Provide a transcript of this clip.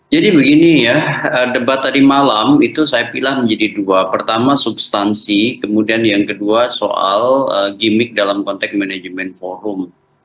jadi begini ya debat tadi malam itu saya pilih menjadi dua pertama substansi kemudian yang kedua soal gimmick dalam konteks manajemen forum